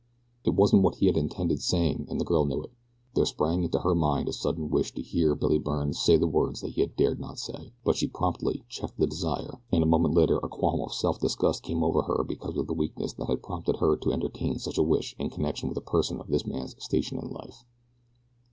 It wasn't what he had intended saying and the girl knew it. There sprang into her mind a sudden wish to hear Billy Byrne say the words that he had dared not say; but she promptly checked the desire, and a moment later a qualm of self disgust came over her because of the weakness that had prompted her to entertain such a wish in connection with a person of this man's station in life.